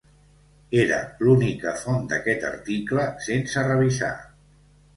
Era l'única font d'aquest article sense revisar.